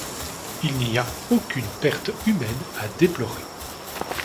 Il n'y a aucune perte humaine à déplorer.